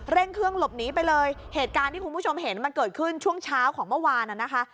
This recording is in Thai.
เร่งเครื่องหลบหนีไปเลยเหตุการณ์ที่คุณผู้ชมเห็นมันเกิดขึ้นช่วงเช้าของเมื่อวานน่ะนะคะ